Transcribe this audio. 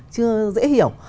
chưa dễ hiểu